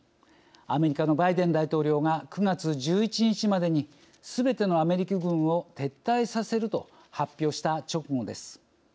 アメリカのバイデン大統領が９月１１日までにすべてのアメリカ軍を撤退させると発表した直後です。